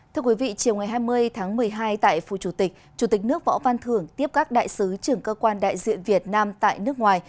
thưa quý vị chiều ngày hai mươi tháng một mươi hai tại phủ chủ tịch chủ tịch nước võ văn thưởng tiếp các đại sứ trưởng cơ quan đại diện việt nam tại nước ngoài